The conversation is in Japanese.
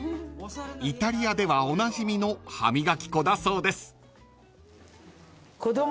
［イタリアではおなじみの歯磨き粉だそうです］